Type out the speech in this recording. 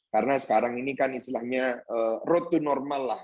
karena sekarang ini kan istilahnya road to normal lah